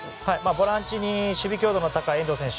ボランチに守備強度の高い遠藤選手